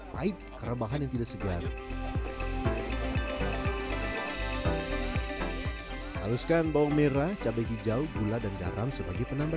pahit karena bahan yang tidak segar haluskan bawang merah cabai hijau gula dan garam sebagai penambah